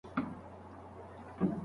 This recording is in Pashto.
د پوهنتونونو د لیلیو خواړه تل صحي نه وو.